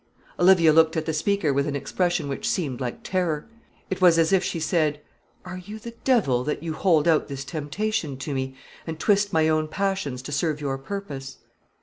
Olivia looked at the speaker with an expression which seemed like terror. It was as if she said, "Are you the devil, that you hold out this temptation to me, and twist my own passions to serve your purpose?"